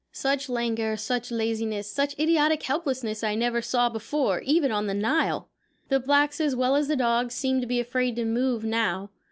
Such languor, such laziness, such idiotic helplessness I never saw before, even on the Nile. The blacks, as well as the dogs, seemed to be afraid to move now.